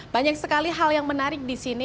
banyak sekali hal yang menarik di sini